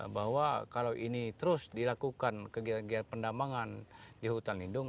bahwa kalau ini terus dilakukan kegiatan pendambangan di hutan lindung